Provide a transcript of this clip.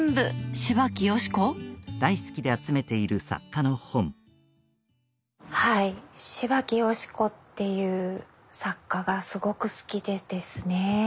芝木好子っていう作家がすごく好きでですね。